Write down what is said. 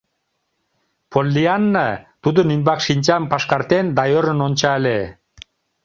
Поллианна тудын ӱмбак шинчам пашкартен да ӧрын ончале: